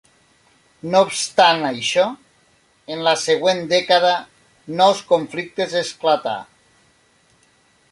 No obstant això, en la següent dècada nous conflictes esclatar.